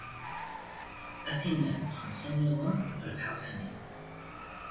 A-ten-an xemsa-nniḍen, rebḥeɣ-ten-id.